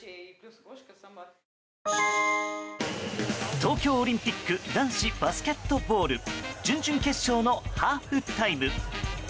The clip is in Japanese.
東京オリンピック男子バスケットボール準々決勝のハーフタイム。